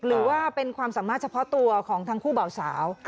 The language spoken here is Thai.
หรือว่าเป็นความสามารถเฉพาะตัวของทั้งคู่เบาสาว